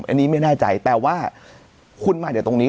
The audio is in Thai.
อันนี้ไม่แน่ใจแต่ว่าคุณมาเดี๋ยวตรงนี้